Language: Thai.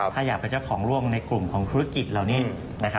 ถ้าอยากเป็นเจ้าของร่วมในกลุ่มของธุรกิจเหล่านี้